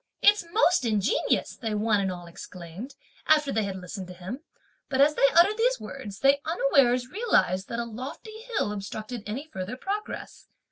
"It's most ingenious!" they one and all exclaimed, after they had listened to him; but, as they uttered these words, they unawares realised that a lofty hill obstructed any further progress.